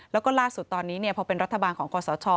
แล้วก็ล่าสุดตอนนี้พอเป็นรัฐบาลของคอสช